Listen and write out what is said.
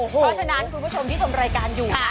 เพราะฉะนั้นคุณผู้ชมที่ชมรายการอยู่